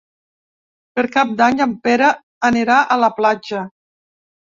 Per Cap d'Any en Pere anirà a la platja.